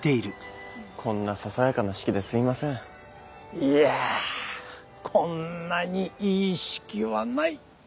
いやこんなにいい式はない！